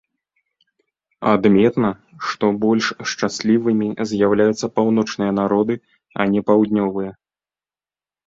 Адметна, што больш шчаслівымі з'яўляюцца паўночныя народы, а не паўднёвыя.